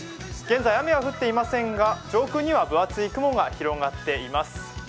現在、雨は降っていませんが上空には分厚い雲が広がっています。